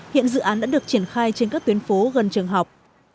hiện dự án đã được triển khai trên các tuyến phố gần trường học